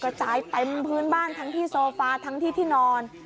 กระจายเต็มพื้นบ้านทั้งที่โซฟาทั้งที่ที่นอน